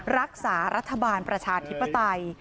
รักษารัฐบาลประชาธิปไตย